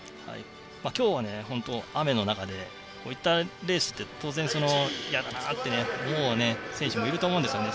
今日は雨の中でこういったレースって当然、嫌だなって思う選手もいると思うんですよね。